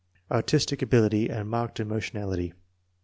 Artis tic ability and marked emotionality.